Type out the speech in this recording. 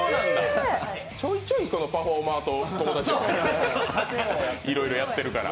ちょいちょいパフォーマーと友達やね、いろいろやってるから。